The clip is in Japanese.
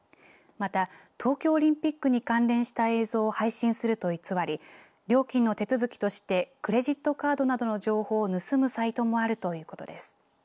また、東京オリンピックに関連した映像を配信すると偽り料金の手続きとしてクレジットカードなどの情報を盗むサイトもあるということです。